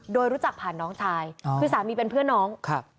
โดยรู้จักผ่านน้องชายคือสามีเป็นเพื่อนน้องครับ